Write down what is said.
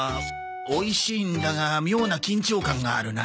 おいしいんだが妙な緊張感があるな。